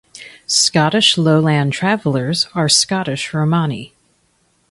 Scottish Lowland Travellers are Scottish Romani.